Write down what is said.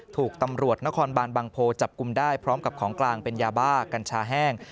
ถูกตำรวจนครบานบางโพจับกลุ่มได้พร้อมกับของกลางเป็นยาบ้ากัญชาแห้ง